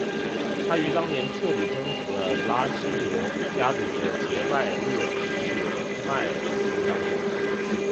他于当年彻底征服了拉希德家族的杰拜勒舍迈尔酋长国。